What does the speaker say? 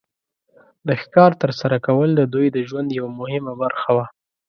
د ښکار تر سره کول د دوی د ژوند یو مهمه برخه وه.